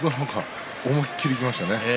思い切りいきましたね。